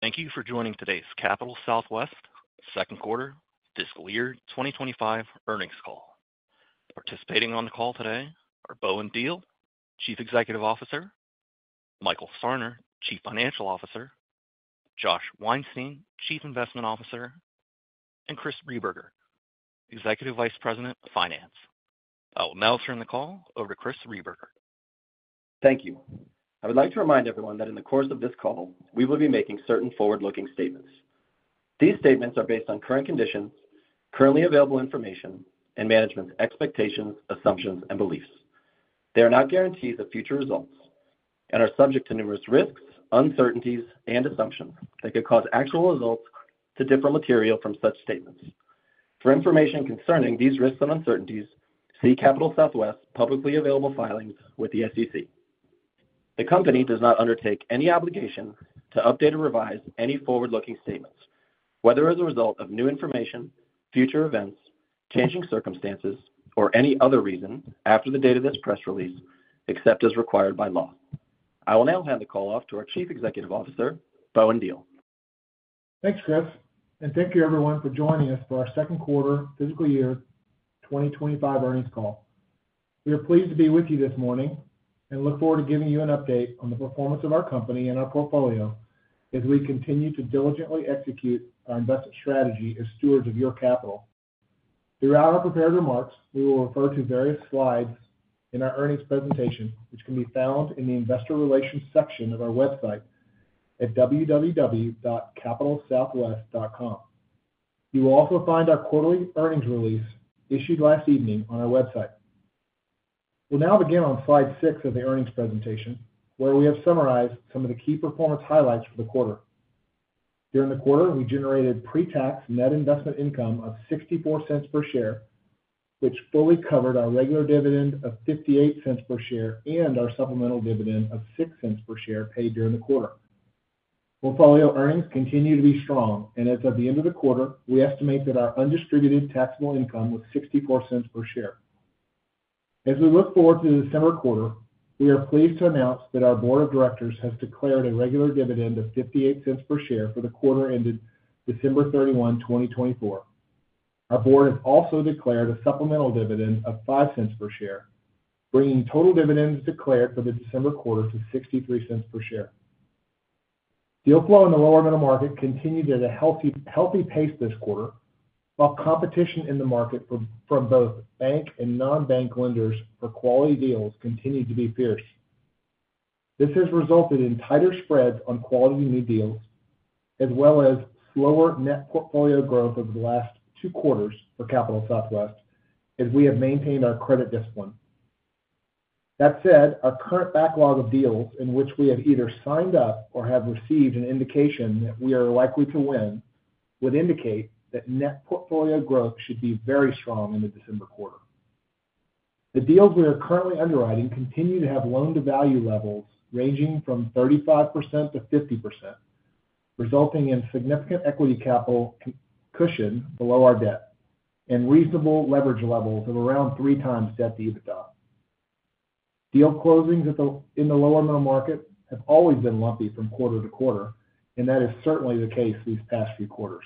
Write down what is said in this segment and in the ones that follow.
Thank you for joining today's Capital Southwest Q2 Fiscal Year 2025 earnings call. Participating on the call today are Bowen Diehl, Chief Executive Officer, Michael Sarner, Chief Financial Officer, Josh Weinstein, Chief Investment Officer, and Chris Rehberger, Executive Vice President of Finance. I will now turn the call over to Chris Rehberger. Thank you. I would like to remind everyone that in the course of this call, we will be making certain forward-looking statements. These statements are based on current conditions, currently available information, and management's expectations, assumptions, and beliefs. They are not guarantees of future results and are subject to numerous risks, uncertainties, and assumptions that could cause actual results to differ materially from such statements. For information concerning these risks and uncertainties, see Capital Southwest's publicly available filings with the SEC. The company does not undertake any obligation to update or revise any forward-looking statements, whether as a result of new information, future events, changing circumstances, or any other reason after the date of this press release, except as required by law. I will now hand the call off to our Chief Executive Officer, Bowen Diehl. Thanks, Chris. And thank you, everyone, for joining us for our Q2 Fiscal Year 2025 earnings call. We are pleased to be with you this morning and look forward to giving you an update on the performance of our company and our portfolio as we continue to diligently execute our investment strategy as stewards of your capital. Throughout our prepared remarks, we will refer to various slides in our earnings presentation, which can be found in the Investor Relations section of our website at www.capitalsouthwest.com. You will also find our quarterly earnings release issued last evening on our website. We'll now begin on slide six of the earnings presentation, where we have summarized some of the key performance highlights for the quarter. During the quarter, we generated pre-tax net investment income of $0.64 per share, which fully covered our regular dividend of $0.58 per share and our supplemental dividend of $0.06 per share paid during the quarter. Portfolio earnings continue to be strong, and as of the end of the quarter, we estimate that our undistributed taxable income was $0.64 per share. As we look forward to the December quarter, we are pleased to announce that our Board of Directors has declared a regular dividend of $0.58 per share for the quarter ended December 31, 2024. Our board has also declared a supplemental dividend of $0.05 per share, bringing total dividends declared for the December quarter to $0.63 per share. Deal flow in the lower middle market continued at a healthy pace this quarter, while competition in the market from both bank and non-bank lenders for quality deals continued to be fierce. This has resulted in tighter spreads on quality new deals, as well as slower net portfolio growth over the last two quarters for Capital Southwest, as we have maintained our credit discipline. That said, our current backlog of deals in which we have either signed up or have received an indication that we are likely to win would indicate that net portfolio growth should be very strong in the December quarter. The deals we are currently underwriting continue to have loan-to-value levels ranging from 35%-50%, resulting in significant equity capital cushion below our debt and reasonable leverage levels of around three times debt to EBITDA. Deal closings in the lower middle market have always been lumpy from quarter to quarter, and that is certainly the case these past few quarters.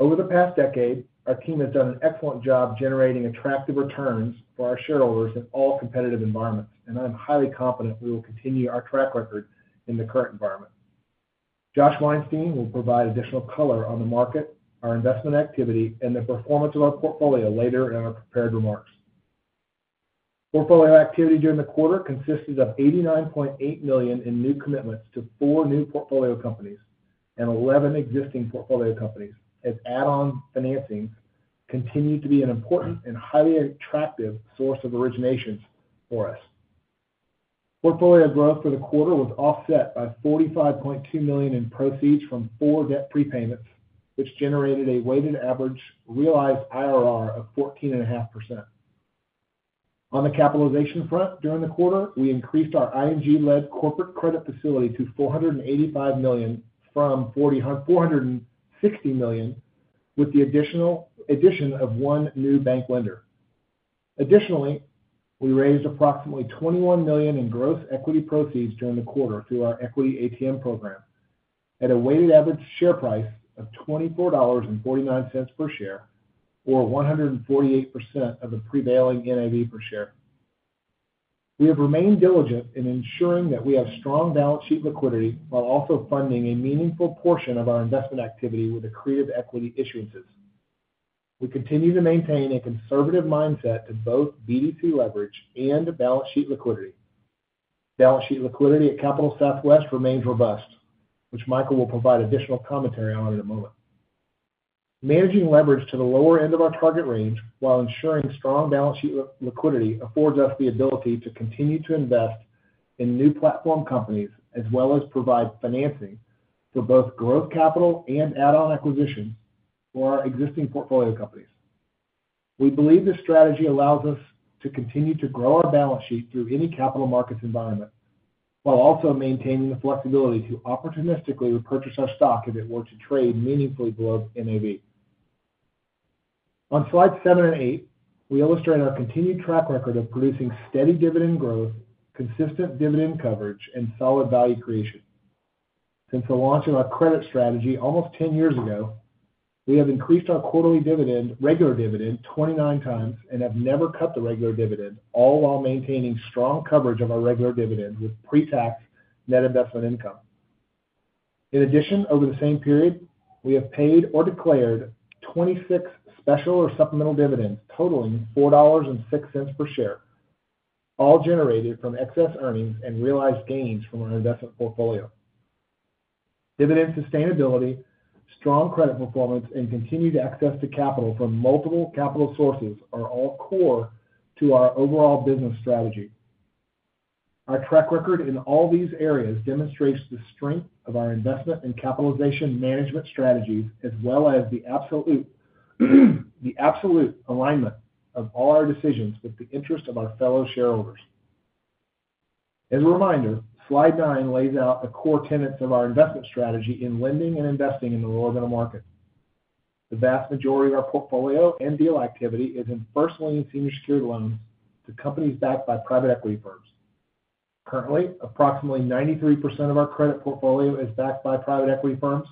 Over the past decade, our team has done an excellent job generating attractive returns for our shareholders in all competitive environments, and I'm highly confident we will continue our track record in the current environment. Josh Weinstein will provide additional color on the market, our investment activity, and the performance of our portfolio later in our prepared remarks. Portfolio activity during the quarter consisted of $89.8 million in new commitments to four new portfolio companies and 11 existing portfolio companies, as add-on financing continued to be an important and highly attractive source of originations for us. Portfolio growth for the quarter was offset by $45.2 million in proceeds from four debt prepayments, which generated a weighted average realized IRR of 14.5%. On the capitalization front, during the quarter, we increased our ING-led corporate credit facility to $485 million from $460 million, with the addition of one new bank lender. Additionally, we raised approximately $21 million in gross equity proceeds during the quarter through our equity ATM program at a weighted average share price of $24.49 per share, or 148% of the prevailing NAV per share. We have remained diligent in ensuring that we have strong balance sheet liquidity while also funding a meaningful portion of our investment activity with accretive equity issuances. We continue to maintain a conservative mindset to both BDC leverage and balance sheet liquidity. Balance sheet liquidity at Capital Southwest remains robust, which Michael will provide additional commentary on in a moment. Managing leverage to the lower end of our target range while ensuring strong balance sheet liquidity affords us the ability to continue to invest in new platform companies, as well as provide financing for both growth capital and add-on acquisitions for our existing portfolio companies. We believe this strategy allows us to continue to grow our balance sheet through any capital markets environment, while also maintaining the flexibility to opportunistically repurchase our stock if it were to trade meaningfully below NAV. On slides seven and eight, we illustrate our continued track record of producing steady dividend growth, consistent dividend coverage, and solid value creation. Since the launch of our credit strategy almost 10 years ago, we have increased our quarterly regular dividend 29 times and have never cut the regular dividend, all while maintaining strong coverage of our regular dividend with pre-tax net investment income. In addition, over the same period, we have paid or declared 26 special or supplemental dividends totaling $4.06 per share, all generated from excess earnings and realized gains from our investment portfolio. Dividend sustainability, strong credit performance, and continued access to capital from multiple capital sources are all core to our overall business strategy. Our track record in all these areas demonstrates the strength of our investment and capitalization management strategies, as well as the absolute alignment of all our decisions with the interest of our fellow shareholders. As a reminder, slide nine lays out the core tenets of our investment strategy in lending and investing in the lower middle market. The vast majority of our portfolio and deal activity is in first-lien senior secured loans to companies backed by private equity firms. Currently, approximately 93% of our credit portfolio is backed by private equity firms,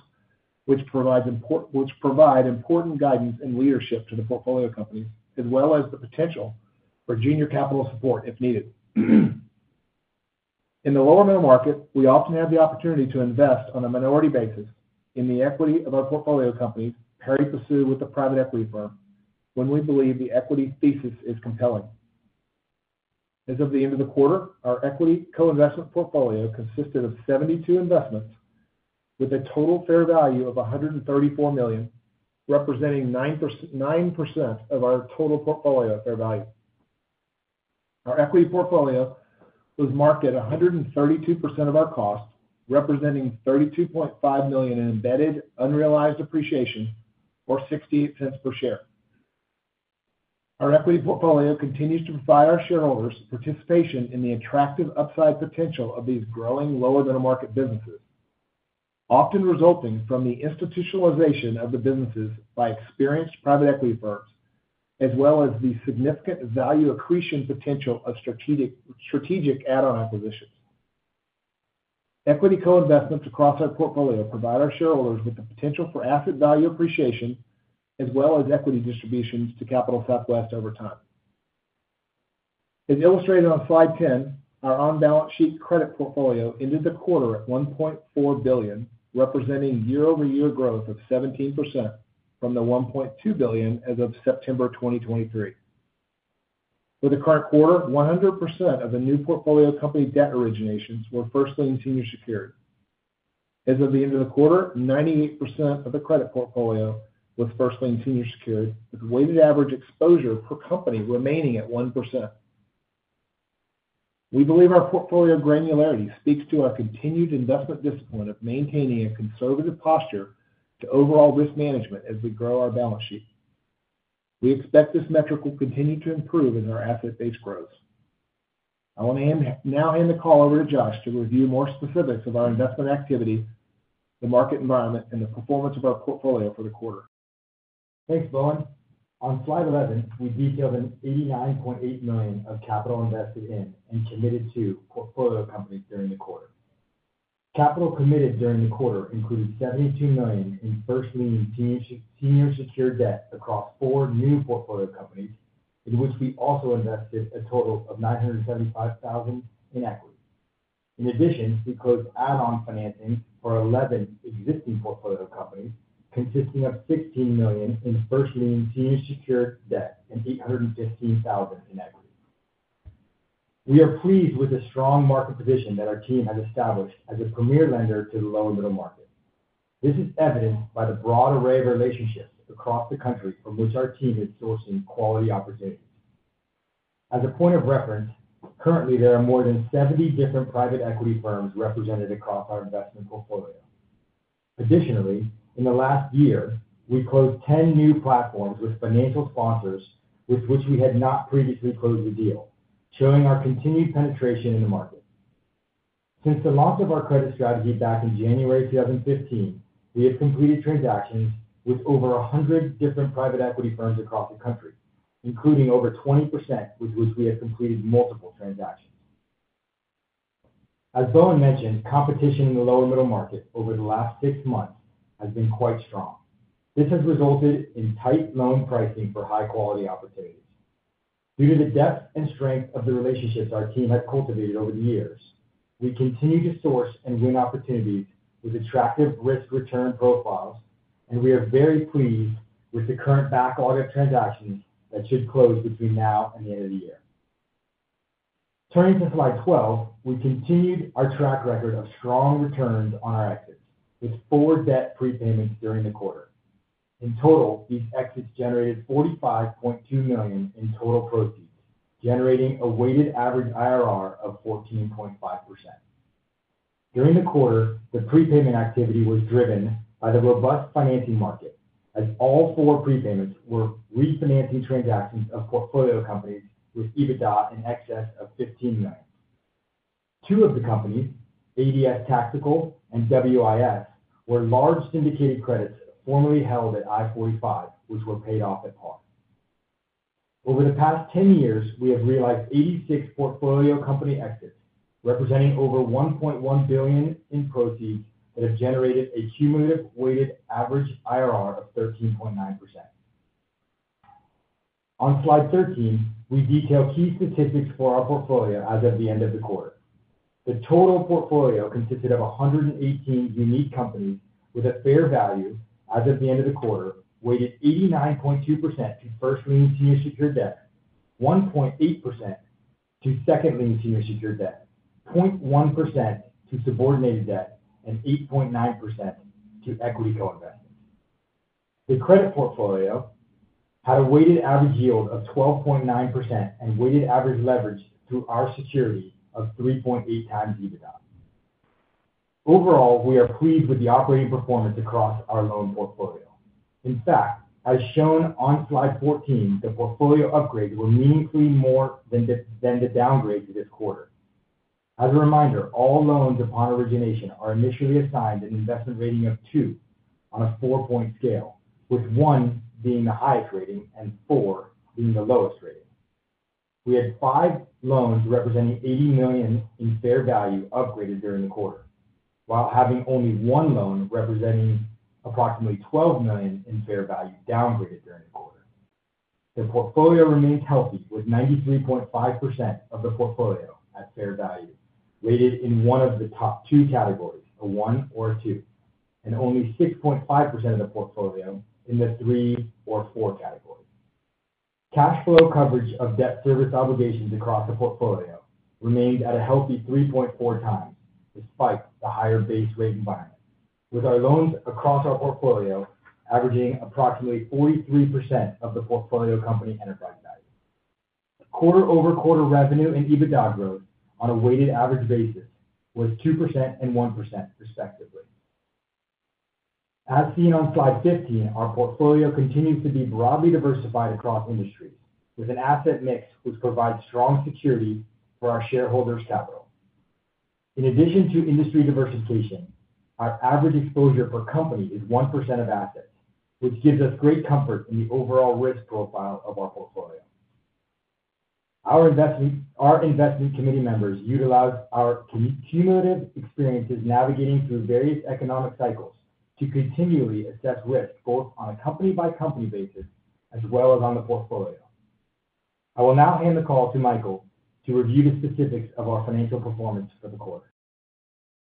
which provide important guidance and leadership to the portfolio companies, as well as the potential for junior capital support if needed. In the lower middle market, we often have the opportunity to invest on a minority basis in the equity of our portfolio companies pari passu with a private equity firm when we believe the equity thesis is compelling. As of the end of the quarter, our equity co-investment portfolio consisted of 72 investments, with a total fair value of $134 million, representing 9% of our total portfolio fair value. Our equity portfolio was marked at 132% of our cost, representing $32.5 million in embedded unrealized appreciation, or $0.68 per share. Our equity portfolio continues to provide our shareholders participation in the attractive upside potential of these growing lower middle market businesses, often resulting from the institutionalization of the businesses by experienced private equity firms, as well as the significant value accretion potential of strategic add-on acquisitions. Equity co-investments across our portfolio provide our shareholders with the potential for asset value appreciation, as well as equity distributions to Capital Southwest over time. As illustrated on slide 10, our on-balance sheet credit portfolio ended the quarter at $1.4 billion, representing year-over-year growth of 17% from the $1.2 billion as of September 2023. For the current quarter, 100% of the new portfolio company debt originations were first-lien senior secured. As of the end of the quarter, 98% of the credit portfolio was first-lien senior secured, with weighted average exposure per company remaining at 1%. We believe our portfolio granularity speaks to our continued investment discipline of maintaining a conservative posture to overall risk management as we grow our balance sheet. We expect this metric will continue to improve as our asset base grows. I will now hand the call over to Josh to review more specifics of our investment activity, the market environment, and the performance of our portfolio for the quarter. Thanks, Bowen. On slide 11, we detailed an $89.8 million of capital invested in and committed to portfolio companies during the quarter. Capital committed during the quarter included $72 million in first-lien senior secured debt across four new portfolio companies, in which we also invested a total of $975,000 in equity. In addition, we closed add-on financing for 11 existing portfolio companies, consisting of $16 million in first-lien senior secured debt and $815,000 in equity. We are pleased with the strong market position that our team has established as a premier lender to the lower middle market. This is evidenced by the broad array of relationships across the country from which our team is sourcing quality opportunities. As a point of reference, currently, there are more than 70 different private equity firms represented across our investment portfolio. Additionally, in the last year, we closed 10 new platforms with financial sponsors with which we had not previously closed a deal, showing our continued penetration in the market. Since the launch of our credit strategy back in January 2015, we have completed transactions with over 100 different private equity firms across the country, including over 20% with which we have completed multiple transactions. As Bowen mentioned, competition in the lower middle market over the last six months has been quite strong. This has resulted in tight loan pricing for high-quality opportunities. Due to the depth and strength of the relationships our team has cultivated over the years, we continue to source and win opportunities with attractive risk-return profiles, and we are very pleased with the current backlog of transactions that should close between now and the end of the year. Turning to slide 12, we continued our track record of strong returns on our exits with four debt prepayments during the quarter. In total, these exits generated $45.2 million in total proceeds, generating a weighted average IRR of 14.5%. During the quarter, the prepayment activity was driven by the robust financing market, as all four prepayments were refinancing transactions of portfolio companies with EBITDA in excess of $15 million. Two of the companies, ADS Tactical and WIS, were large syndicated credits formerly held at I-45, which were paid off at par. Over the past 10 years, we have realized 86 portfolio company exits, representing over $1.1 billion in proceeds that have generated a cumulative weighted average IRR of 13.9%. On slide 13, we detail key statistics for our portfolio as of the end of the quarter. The total portfolio consisted of 118 unique companies with a fair value as of the end of the quarter weighted 89.2% to first-lien senior secured debt, 1.8% to second-lien senior secured debt, 0.1% to subordinated debt, and 8.9% to equity co-investments. The credit portfolio had a weighted average yield of 12.9% and weighted average leverage through our security of 3.8 times EBITDA. Overall, we are pleased with the operating performance across our loan portfolio. In fact, as shown on slide 14, the portfolio upgrades were meaningfully more than the downgrade to this quarter. As a reminder, all loans upon origination are initially assigned an investment rating of two on a four-point scale, with one being the highest rating and four being the lowest rating. We had five loans representing $80 million in fair value upgraded during the quarter, while having only one loan representing approximately $12 million in fair value downgraded during the quarter. The portfolio remains healthy, with 93.5% of the portfolio at fair value rated in one of the top two categories, a 1 or a 2, and only 6.5% of the portfolio in the 3 or 4 category. Cash flow coverage of debt service obligations across the portfolio remained at a healthy 3.4 times despite the higher base rate environment, with our loans across our portfolio averaging approximately 43% of the portfolio company enterprise value. Quarter-over-quarter revenue and EBITDA growth on a weighted average basis was 2% and 1%, respectively. As seen on slide 15, our portfolio continues to be broadly diversified across industries, with an asset mix which provides strong security for our shareholders' capital. In addition to industry diversification, our average exposure per company is 1% of assets, which gives us great comfort in the overall risk profile of our portfolio. Our investment committee members utilize our cumulative experiences navigating through various economic cycles to continually assess risk both on a company-by-company basis as well as on the portfolio. I will now hand the call to Michael to review the specifics of our financial performance for the quarter.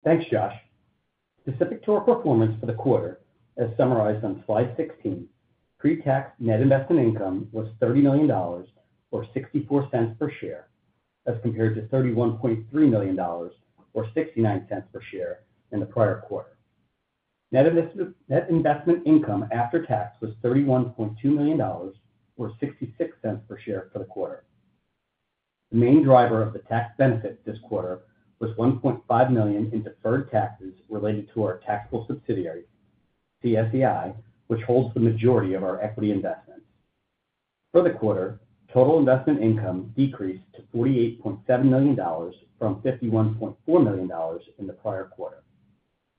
Thanks, Josh. Specific to our performance for the quarter, as summarized on slide 16, pre-tax net investment income was $30 million, or $0.64 per share, as compared to $31.3 million, or $0.69 per share in the prior quarter. Net investment income after tax was $31.2 million, or $0.66 per share for the quarter. The main driver of the tax benefit this quarter was $1.5 million in deferred taxes related to our taxable subsidiary, CSEI, which holds the majority of our equity investments. For the quarter, total investment income decreased to $48.7 million from $51.4 million in the prior quarter.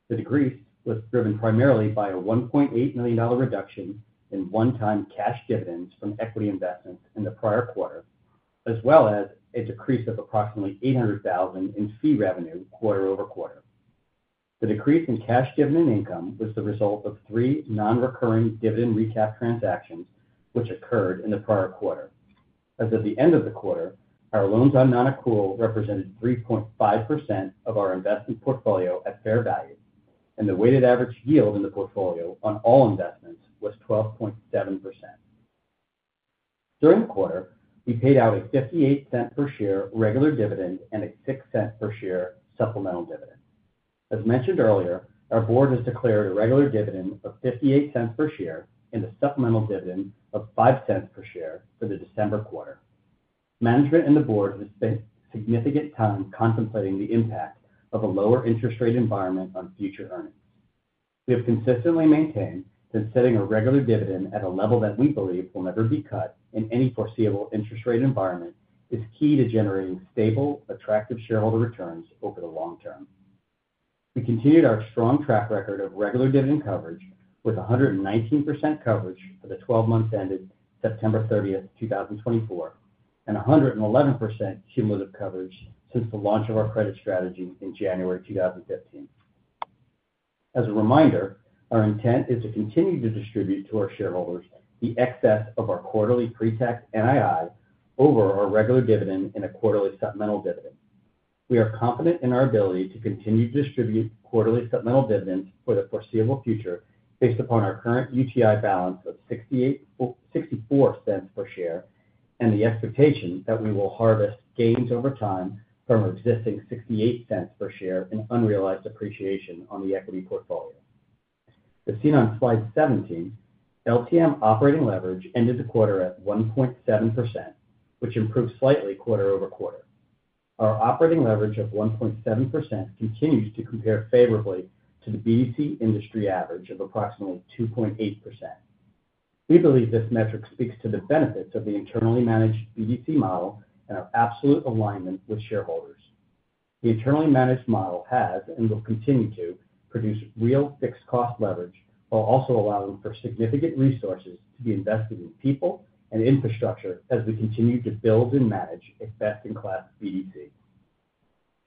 The decrease was driven primarily by a $1.8 million reduction in one-time cash dividends from equity investments in the prior quarter, as well as a decrease of approximately $800,000 in fee revenue quarter-over-quarter. The decrease in cash dividend income was the result of three non-recurring dividend recap transactions which occurred in the prior quarter. As of the end of the quarter, our loans on non-accrual represented 3.5% of our investment portfolio at fair value, and the weighted average yield in the portfolio on all investments was 12.7%. During the quarter, we paid out a $0.58 per share regular dividend and a $0.06 per share supplemental dividend. As mentioned earlier, our board has declared a regular dividend of $0.58 per share and a supplemental dividend of $0.05 per share for the December quarter. Management and the board have spent significant time contemplating the impact of a lower interest rate environment on future earnings. We have consistently maintained that setting a regular dividend at a level that we believe will never be cut in any foreseeable interest rate environment is key to generating stable, attractive shareholder returns over the long term. We continued our strong track record of regular dividend coverage with 119% coverage for the 12 months ended September 30, 2024, and 111% cumulative coverage since the launch of our credit strategy in January 2015. As a reminder, our intent is to continue to distribute to our shareholders the excess of our quarterly pre-tax NII over our regular dividend and a quarterly supplemental dividend. We are confident in our ability to continue to distribute quarterly supplemental dividends for the foreseeable future based upon our current UTI balance of $0.64 per share and the expectation that we will harvest gains over time from our existing $0.68 per share in unrealized appreciation on the equity portfolio. As seen on slide 17, LTM operating leverage ended the quarter at 1.7%, which improved slightly quarter-over-quarter. Our operating leverage of 1.7% continues to compare favorably to the BDC industry average of approximately 2.8%. We believe this metric speaks to the benefits of the internally managed BDC model and our absolute alignment with shareholders. The internally managed model has and will continue to produce real fixed cost leverage while also allowing for significant resources to be invested in people and infrastructure as we continue to build and manage a best-in-class BDC.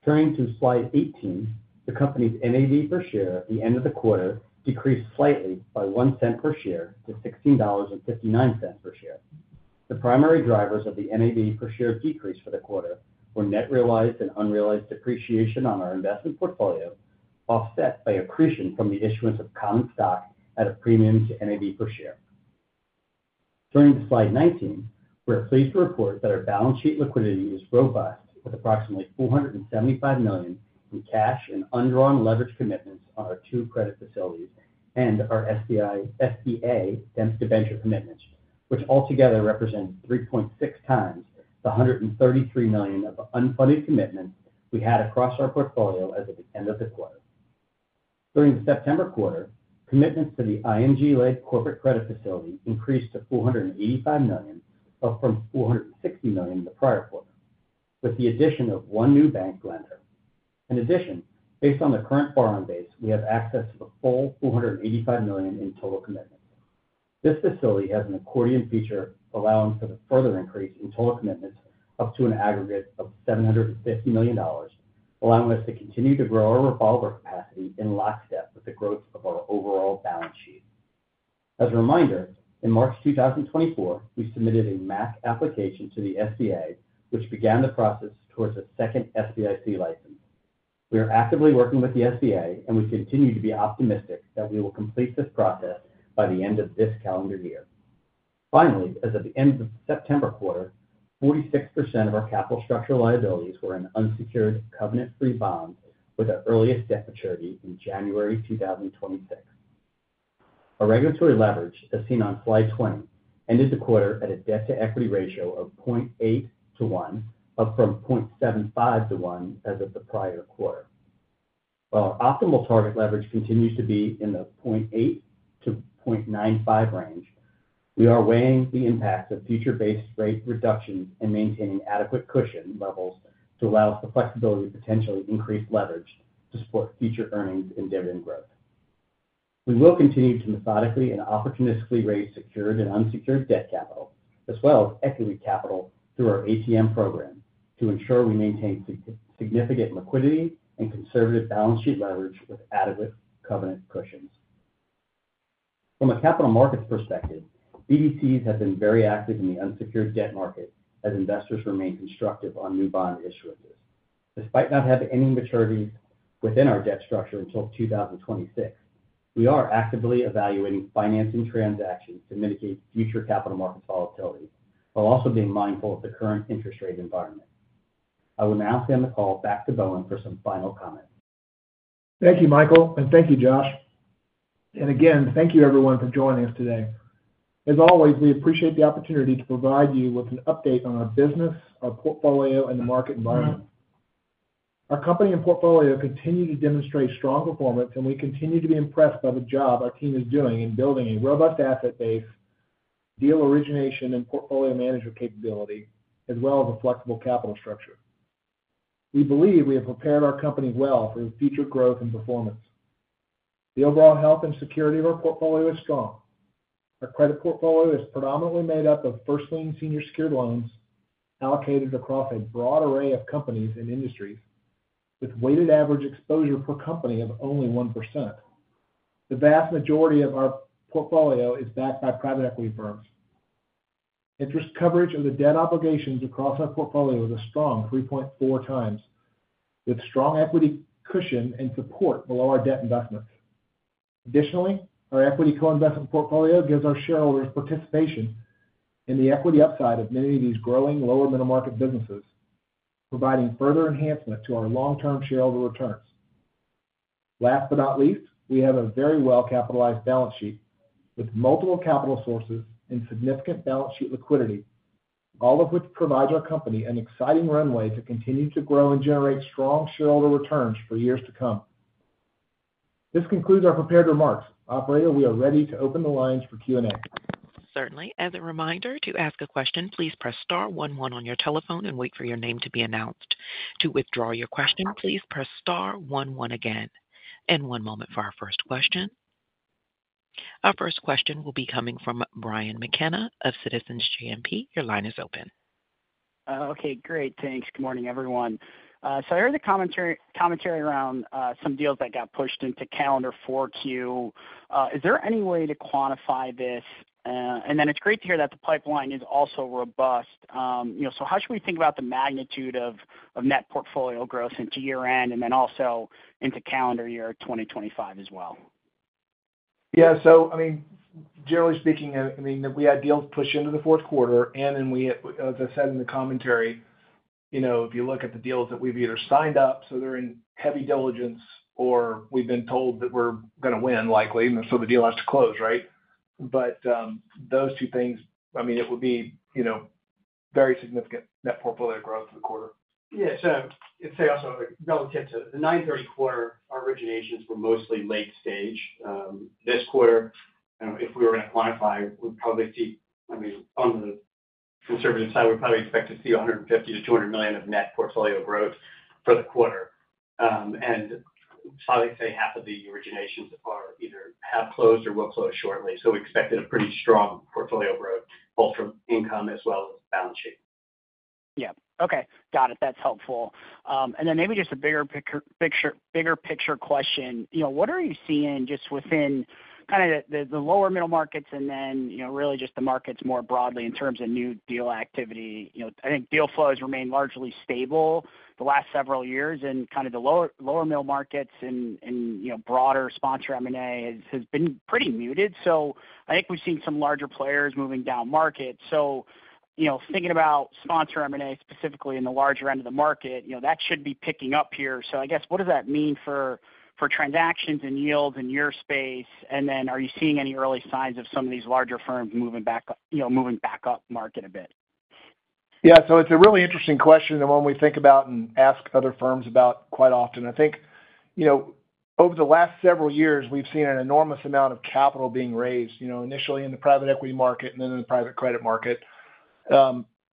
Turning to slide 18, the company's NAV per share at the end of the quarter decreased slightly by $0.01 per share to $16.59 per share. The primary drivers of the NAV per share decrease for the quarter were net realized and unrealized appreciation on our investment portfolio, offset by accretion from the issuance of common stock at a premium to NAV per share. Turning to slide 19, we're pleased to report that our balance sheet liquidity is robust with approximately $475 million in cash and undrawn leverage commitments on our two credit facilities and our SBA debentures commitments, which altogether represent 3.6 times the $133 million of unfunded commitments we had across our portfolio as of the end of the quarter. During the September quarter, commitments to the ING-led corporate credit facility increased to $485 million, up from $460 million in the prior quarter, with the addition of one new bank lender. In addition, based on the current borrowing base, we have access to the full $485 million in total commitments. This facility has an accordion feature allowing for the further increase in total commitments up to an aggregate of $750 million, allowing us to continue to grow our revolver capacity in lockstep with the growth of our overall balance sheet. As a reminder, in March 2024, we submitted a MAQ application to the SBA, which began the process towards a second SBIC license. We are actively working with the SBA, and we continue to be optimistic that we will complete this process by the end of this calendar year. Finally, as of the end of the September quarter, 46% of our capital structure liabilities were in unsecured covenant-free bonds with our earliest debt maturity in January 2026. Our regulatory leverage, as seen on slide 20, ended the quarter at a debt-to-equity ratio of 0.8 to 1, up from 0.75 to 1 as of the prior quarter. While our optimal target leverage continues to be in the 0.8 to 0.95 range, we are weighing the impacts of future-based rate reductions and maintaining adequate cushion levels to allow us the flexibility to potentially increase leverage to support future earnings and dividend growth. We will continue to methodically and opportunistically raise secured and unsecured debt capital, as well as equity capital through our ATM program, to ensure we maintain significant liquidity and conservative balance sheet leverage with adequate covenant cushions. From a capital markets perspective, BDCs have been very active in the unsecured debt market as investors remain constructive on new bond issuances. Despite not having any maturities within our debt structure until 2026, we are actively evaluating financing transactions to mitigate future capital markets volatility while also being mindful of the current interest rate environment. I will now hand the call back to Bowen for some final comments. Thank you, Michael, and thank you, Josh. And again, thank you, everyone, for joining us today. As always, we appreciate the opportunity to provide you with an update on our business, our portfolio, and the market environment. Our company and portfolio continue to demonstrate strong performance, and we continue to be impressed by the job our team is doing in building a robust asset base, deal origination, and portfolio management capability, as well as a flexible capital structure. We believe we have prepared our company well for future growth and performance. The overall health and security of our portfolio is strong. Our credit portfolio is predominantly made up of first-lien senior secured loans allocated across a broad array of companies and industries, with weighted average exposure per company of only one%. The vast majority of our portfolio is backed by private equity firms. Interest coverage of the debt obligations across our portfolio is a strong 3.4 times, with strong equity cushion and support below our debt investments. Additionally, our equity co-investment portfolio gives our shareholders participation in the equity upside of many of these growing lower middle market businesses, providing further enhancement to our long-term shareholder returns. Last but not least, we have a very well-capitalized balance sheet with multiple capital sources and significant balance sheet liquidity, all of which provides our company an exciting runway to continue to grow and generate strong shareholder returns for years to come. This concludes our prepared remarks. Operator, we are ready to open the lines for Q&A. Certainly. As a reminder, to ask a question, please press star 11 on your telephone and wait for your name to be announced. To withdraw your question, please press star 11 again, and one moment for our first question. Our first question will be coming from Brian McKenna of Citizens JMP. Your line is open. Okay. Great. Thanks. Good morning, everyone. So I heard the commentary around some deals that got pushed into calendar 4Q. Is there any way to quantify this? And then it's great to hear that the pipeline is also robust. So how should we think about the magnitude of net portfolio growth into year-end and then also into calendar year 2025 as well? Yeah. So, I mean, generally speaking, I mean, we had deals push into the Q4, and then we, as I said in the commentary, if you look at the deals that we've either signed up, so they're in heavy diligence, or we've been told that we're going to win likely, and so the deal has to close, right? But those two things, I mean, it would be very significant net portfolio growth for the quarter. Yeah. So I'd say also relative to the 9/30 quarter, our originations were mostly late stage. This quarter, if we were going to quantify, we'd probably see, I mean, on the conservative side, we'd probably expect to see $150 million-$200 million of net portfolio growth for the quarter. And I'd probably say half of the originations are either have closed or will close shortly. So we expected a pretty strong portfolio growth both from income as well as balance sheet. Yeah. Okay. Got it. That's helpful. And then maybe just a bigger picture question. What are you seeing just within kind of the lower middle markets and then really just the markets more broadly in terms of new deal activity? I think deal flows remain largely stable the last several years, and kind of the lower middle markets and broader sponsor M&A has been pretty muted. So I think we've seen some larger players moving down market. So thinking about sponsor M&A specifically in the larger end of the market, that should be picking up here. So I guess, what does that mean for transactions and yields in your space? And then are you seeing any early signs of some of these larger firms moving back up market a bit? Yeah, so it's a really interesting question that when we think about and ask other firms about quite often. I think over the last several years, we've seen an enormous amount of capital being raised, initially in the private equity market and then in the private credit market.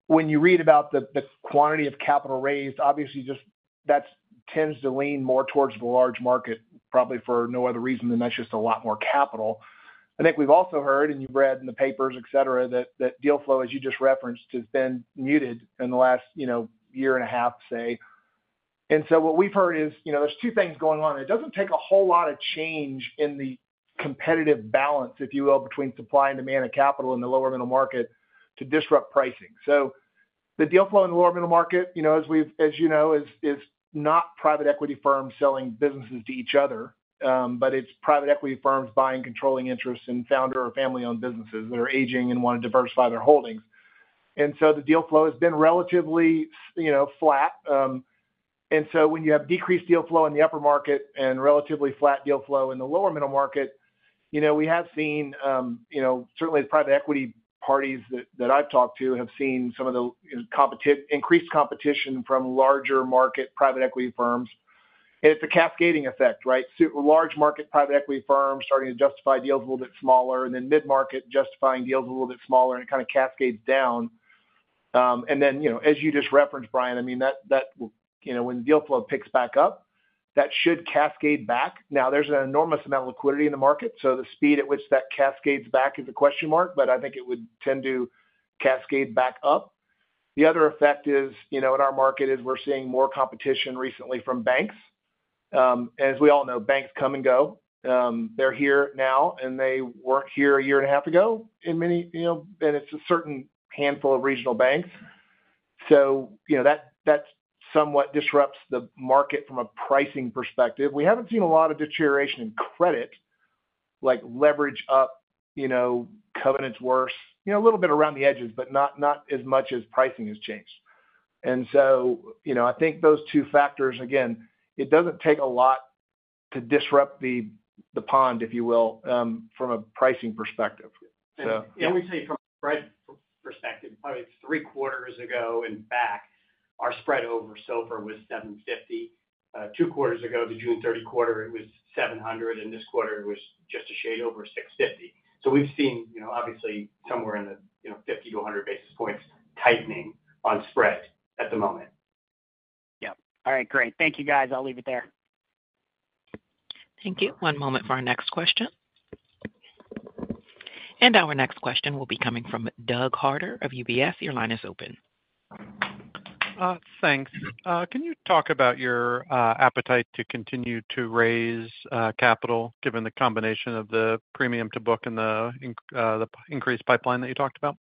When you read about the quantity of capital raised, obviously, that tends to lean more towards the large market, probably for no other reason than that's just a lot more capital. I think we've also heard, and you've read in the papers, etc., that deal flow, as you just referenced, has been muted in the last year and a half, say, and so what we've heard is there's two things going on. It doesn't take a whole lot of change in the competitive balance, if you will, between supply and demand of capital in the lower middle market to disrupt pricing. So the deal flow in the lower middle market, as you know, is not private equity firms selling businesses to each other, but it's private equity firms buying controlling interest in founder or family-owned businesses that are aging and want to diversify their holdings. And so the deal flow has been relatively flat. And so when you have decreased deal flow in the upper market and relatively flat deal flow in the lower middle market, we have seen, certainly, the private equity parties that I've talked to have seen some of the increased competition from larger market private equity firms. And it's a cascading effect, right? Large market private equity firms starting to justify deals a little bit smaller, and then mid-market justifying deals a little bit smaller, and it kind of cascades down. And then, as you just referenced, Brian, I mean, when the deal flow picks back up, that should cascade back. Now, there's an enormous amount of liquidity in the market, so the speed at which that cascades back is a question mark, but I think it would tend to cascade back up. The other effect in our market is we're seeing more competition recently from banks. And as we all know, banks come and go. They're here now, and they weren't here a year and a half ago in many, and it's a certain handful of regional banks. So that somewhat disrupts the market from a pricing perspective. We haven't seen a lot of deterioration in credit, like leverage up, covenants worse, a little bit around the edges, but not as much as pricing has changed. And so I think those two factors, again, it doesn't take a lot to disrupt the pond, if you will, from a pricing perspective. And we say from a spread perspective, probably three quarters ago and back, our spread over SOFR was 750. Two quarters ago, the June 30 quarter, it was 700, and this quarter was just a shade over 650. So we've seen, obviously, somewhere in the 50 to 100 basis points tightening on spread at the moment. Yeah. All right. Great. Thank you, guys. I'll leave it there. Thank you. One moment for our next question, and our next question will be coming from Doug Harter of UBS. Your line is open. Thanks. Can you talk about your appetite to continue to raise capital given the combination of the premium to book and the increased pipeline that you talked about?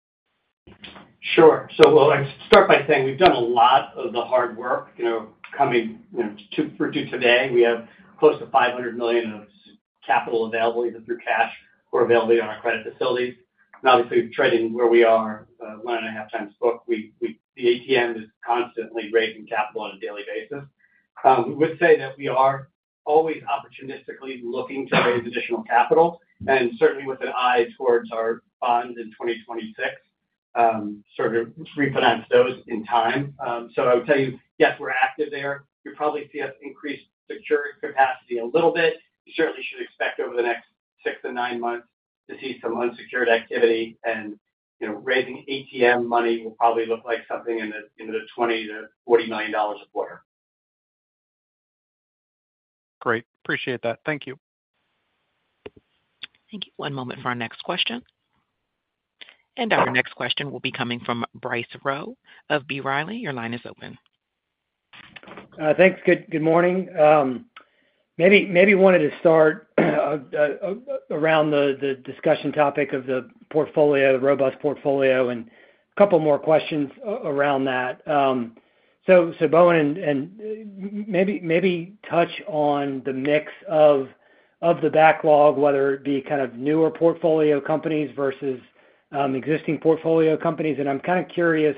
Sure. So I'll start by saying we've done a lot of the hard work in getting to where we are today. We have close to $500 million of capital available, either through cash or availability on our credit facilities. And obviously, trading where we are, one and a half times book, the ATM is constantly raising capital on a daily basis. I would say that we are always opportunistically looking to raise additional capital, and certainly with an eye towards our bonds in 2026, sort of refinance those in time. I would tell you, yes, we're active there. You'll probably see us increase secured capacity a little bit. You certainly should expect over the next six to nine months to see some unsecured activity, and raising ATM money will probably look like something in the $20 million-$49 million a quarter. Great. Appreciate that. Thank you. Thank you. One moment for our next question. And our next question will be coming from Bryce Rowe of B. Riley. Your line is open. Thanks. Good morning. Maybe wanted to start around the discussion topic of the portfolio, robust portfolio, and a couple more questions around that. So Bowen maybe touch on the mix of the backlog, whether it be kind of newer portfolio companies versus existing portfolio companies. And I'm kind of curious,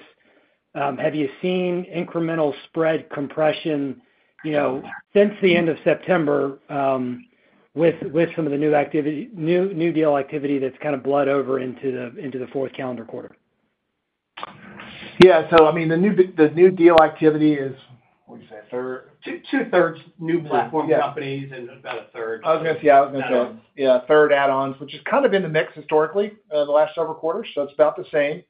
have you seen incremental spread compression since the end of September with some of the new deal activity that's kind of bled over into the fourth calendar quarter? Yeah. So I mean, the new deal activity is, what would you say, two-thirds new platform companies and about a third. Yeah, a third add-ons, which has kind of been the mix historically the last several quarters. So it's about the same.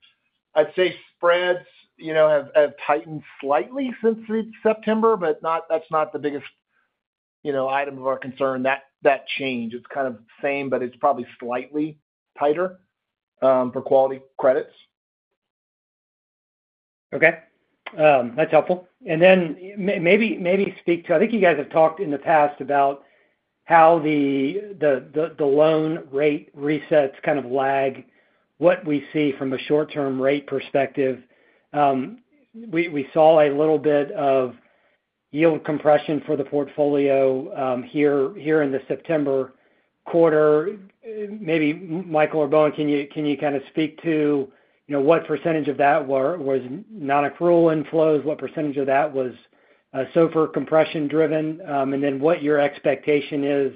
I'd say spreads have tightened slightly since September, but that's not the biggest item of our concern, that change. It's kind of the same, but it's probably slightly tighter for quality credits. Okay. That's helpful. And then maybe speak to, I think you guys have talked in the past about how the loan rate resets kind of lag what we see from a short-term rate perspective. We saw a little bit of yield compression for the portfolio here in the September quarter. Maybe Michael or Bowen, can you kind of speak to what percentage of that was non-accrual inflows? What percentage of that was SOFR compression-driven? And then what your expectation is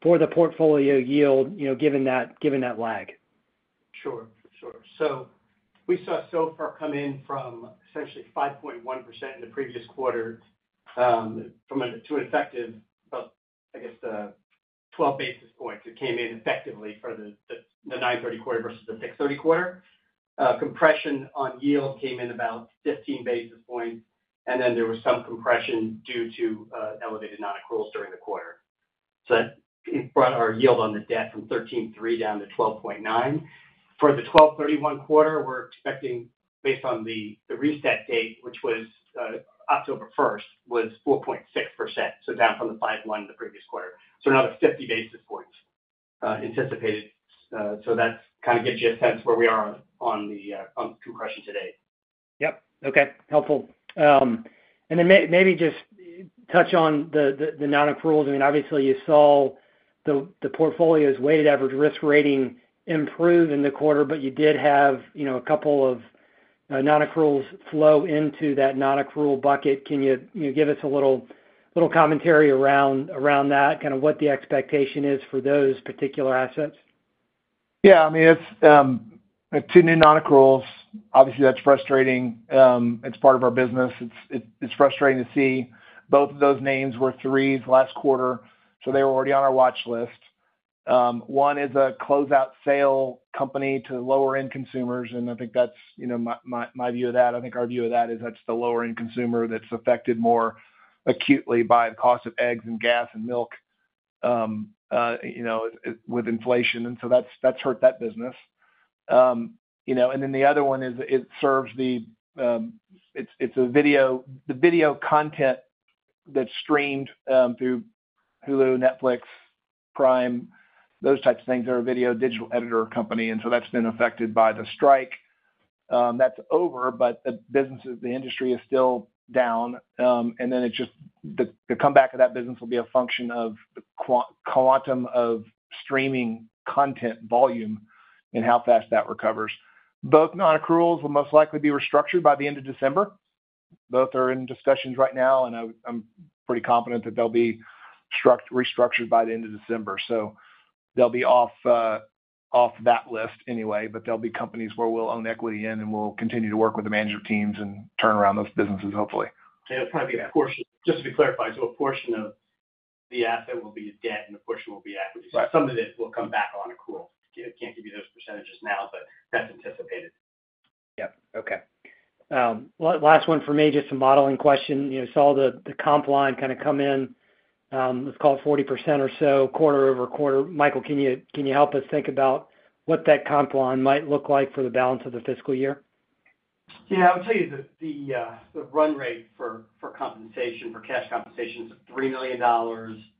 for the portfolio yield given that lag? Sure. Sure. So we saw SOFR come in from essentially 5.1% in the previous quarter to an effective about, I guess, 12 basis points. It came in effectively for the 9/30 quarter versus the 6/30 quarter. Compression on yield came in about 15 basis points. And then there was some compression due to elevated non-accruals during the quarter. So that brought our yield on the debt from 13.3% down to 12.9%. For the 12/31 quarter, we're expecting, based on the reset date, which was October 1st, was 4.6%, so down from the 5.1% in the previous quarter. So another 50 basis points anticipated. So that kind of gives you a sense of where we are on the compression today. Yep. Okay. Helpful. And then maybe just touch on the non-accruals. I mean, obviously, you saw the portfolio's weighted average risk rating improve in the quarter, but you did have a couple of non-accruals flow into that non-accrual bucket. Can you give us a little commentary around that, kind of what the expectation is for those particular assets? Yeah. I mean, it's two new non-accruals. Obviously, that's frustrating. It's part of our business. It's frustrating to see both of those names were threes last quarter, so they were already on our watch list. One is a closeout sale company to lower-end consumers, and I think that's my view of that. I think our view of that is that's the lower-end consumer that's affected more acutely by the cost of eggs and gas and milk with inflation. And so that's hurt that business. And then the other one is it serves the it's the video content that's streamed through Hulu, Netflix, Prime, those types of things. They're a video digital editor company, and so that's been affected by the strike. That's over, but the industry is still down. And then it's just the comeback of that business will be a function of the quantum of streaming content volume and how fast that recovers. Both non-accruals will most likely be restructured by the end of December. Both are in discussions right now, and I'm pretty confident that they'll be restructured by the end of December. So they'll be off that list anyway, but they'll be companies where we'll own equity in, and we'll continue to work with the management teams and turn around those businesses, hopefully. Yeah. That's probably a portion just to be clarified. So a portion of the asset will be debt, and a portion will be equity. So some of it will come back on accrual. I can't give you those percentages now, but that's anticipated. Yep. Okay. Last one for me, just a modeling question. You saw the comp line kind of come in. Let's call it 40% or so, quarter-over-quarter. Michael, can you help us think about what that comp line might look like for the balance of the fiscal year? Yeah. I would tell you the run rate for compensation, for cash compensation, is $3 million.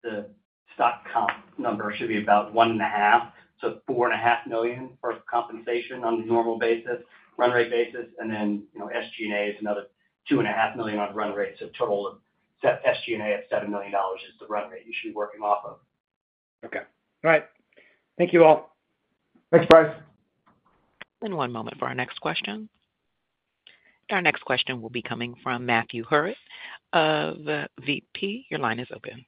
The stock comp number should be about one and a half. So $4.5 million for compensation on the normal basis, run rate basis. And then SG&A is another $2.5 million on run rate. So total SG&A of $7 million is the run rate you should be working off of. Okay. All right. Thank you all. Thanks, Bryce. One moment for our next question. Our next question will be coming from Matthew Hurwitz of Jefferies. Your line is open.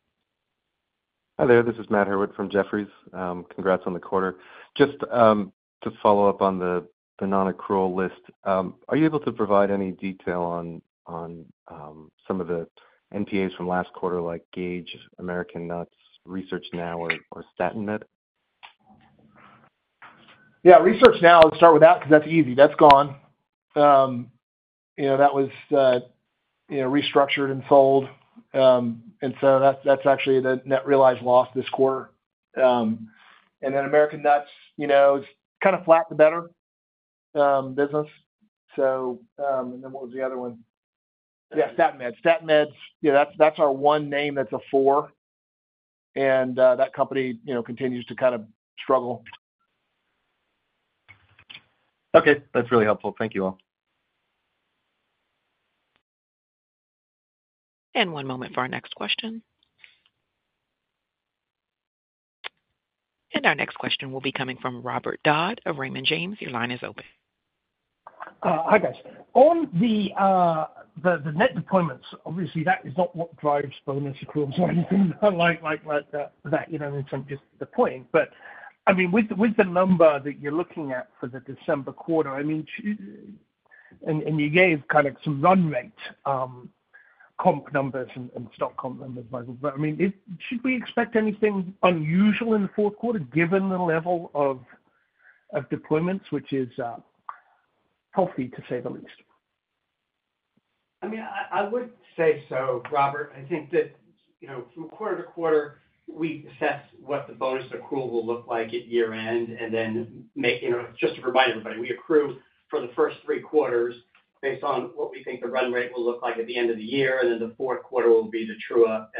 Hi there. This is Matt Hurwitz from Jefferies. Congrats on the quarter. Just to follow up on the non-accrual list, are you able to provide any detail on some of the NPAs from last quarter, like Gage, American Nuts, Research Now, or STATinMED? Yeah. Research Now, let's start with that because that's easy. That's gone. That was restructured and sold. And so that's actually the net realized loss this quarter. And then American Nuts, it's kind of flat, the better business. And then what was the other one? Yeah, STATinMED. STATinMED, yeah, that's our one name that's a four, and that company continues to kind of struggle. Okay. That's really helpful. Thank you all. One moment for our next question. Our next question will be coming from Robert Dodd of Raymond James. Your line is open. Hi, guys. On the net deployments, obviously, that is not what drives bonus accruals or anything like that. I mean, it's just the point. But I mean, with the number that you're looking at for the December quarter, I mean, and you gave kind of some run rate comp numbers and stock comp numbers, Michael, but I mean, should we expect anything unusual in the Q4 given the level of deployments, which is healthy to say the least? I mean, I would say so, Robert. I think that from quarter to quarter, we assess what the bonus accrual will look like at year-end, and then just to remind everybody, we accrue for the first three quarters based on what we think the run rate will look like at the end of the year, and then the Q4 will be the true-up,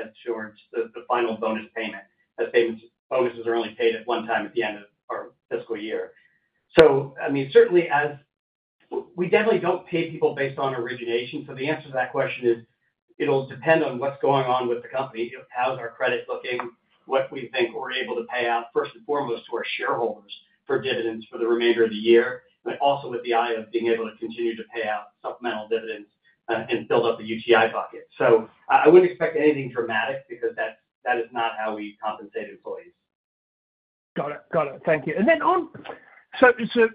the final bonus payment. Those payments are only paid at one time at the end of our fiscal year, so I mean, certainly, we definitely don't pay people based on origination, so the answer to that question is it'll depend on what's going on with the company. How's our credit looking? What do we think we're able to pay out, first and foremost, to our shareholders for dividends for the remainder of the year? And also with the eye of being able to continue to pay out supplemental dividends and build up the UTI bucket. So I wouldn't expect anything dramatic because that is not how we compensate employees. Got it. Got it. Thank you. And then, so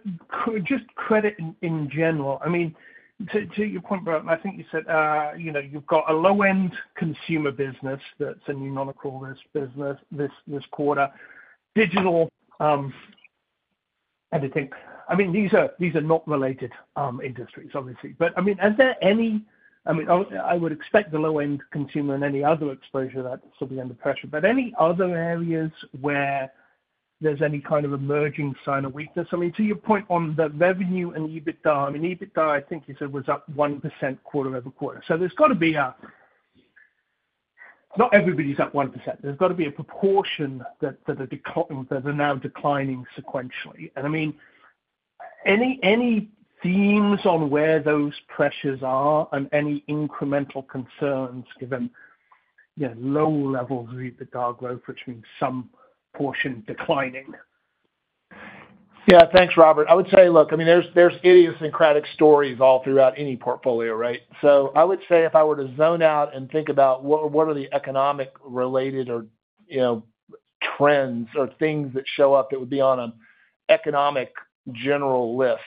just credit in general, I mean, to your point, Bowen, I think you said you've got a low-end consumer business that's a new non-accrual risk business this quarter. Digital, I mean, these are not related industries, obviously. But I mean, I would expect the low-end consumer and any other exposure that's still under pressure. But any other areas where there's any kind of emerging sign of weakness? I mean, to your point on the revenue and EBITDA, I mean, EBITDA, I think you said was up 1% quarter-over-quarter. So there's got to be a not everybody's up 1%. There's got to be a proportion that are now declining sequentially. And I mean, any themes on where those pressures are and any incremental concerns given low levels of EBITDA growth, which means some portion declining? Yeah. Thanks, Robert. I would say, look, I mean, there's idiosyncratic stories all throughout any portfolio, right? So I would say if I were to zone out and think about what are the economic-related trends or things that show up that would be on an economic general list,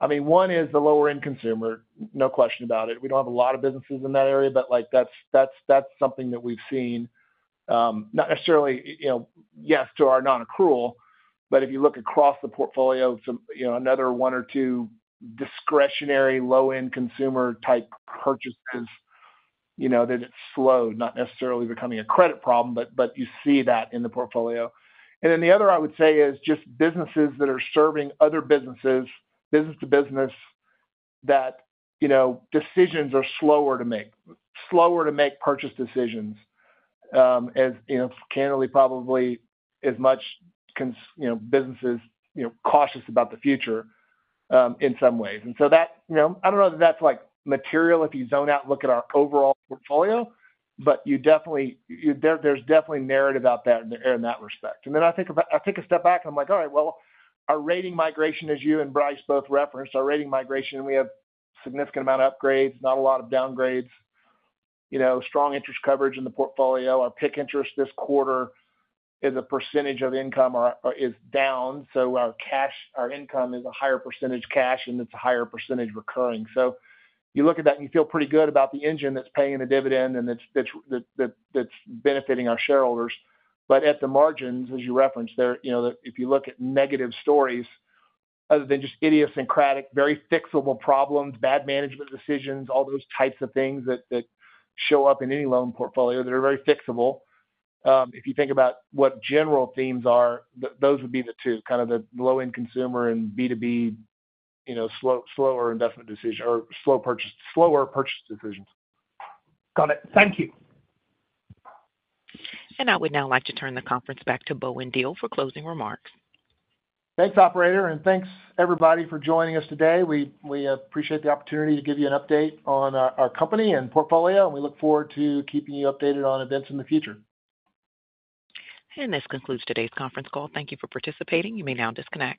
I mean, one is the lower-end consumer, no question about it. We don't have a lot of businesses in that area, but that's something that we've seen. Not necessarily yes to our non-accrual, but if you look across the portfolio, another one or two discretionary low-end consumer-type purchases, then it's slow, not necessarily becoming a credit problem, but you see that in the portfolio. And then the other, I would say, is just businesses that are serving other businesses, business-to-business, that decisions are slower to make, slower to make purchase decisions, as candidly, probably as much businesses cautious about the future in some ways. And so I don't know that that's material if you zone out, look at our overall portfolio, but there's definitely narrative out there in that respect. And then I take a step back and I'm like, "All right. Well, our rating migration," as you and Bryce both referenced, "our rating migration, we have a significant amount of upgrades, not a lot of downgrades, strong interest coverage in the portfolio. Our PIK interest this quarter is a percentage of income or is down. So our income is a higher percentage cash, and it's a higher percentage recurring." So you look at that and you feel pretty good about the engine that's paying the dividend and that's benefiting our shareholders. But at the margins, as you referenced there, if you look at negative stories other than just idiosyncratic, very fixable problems, bad management decisions, all those types of things that show up in any loan portfolio that are very fixable, if you think about what general themes are, those would be the two, kind of the low-end consumer and B2B slower investment decision or slower purchase decisions. Got it. Thank you. I would now like to turn the conference back to Bowen Diehl for closing remarks. Thanks, operator, and thanks, everybody, for joining us today. We appreciate the opportunity to give you an update on our company and portfolio, and we look forward to keeping you updated on events in the future. This concludes today's conference call. Thank you for participating. You may now disconnect.